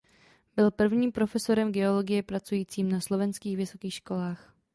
Byl prvním profesorem geologie pracujícím na slovenských vysokých školách.